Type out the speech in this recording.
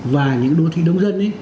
và những đô thị đông dân